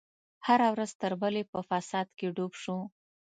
هره ورځ تر بلې په فساد کې ډوب شو.